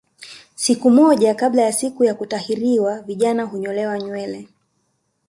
Siku moja kabla ya siku ya kutahiriwa vijana hunyolewa nywele